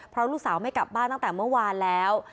เพราะลูกสาวไม่กลับบ้านตั้งแต่เมื่อวานแล้ว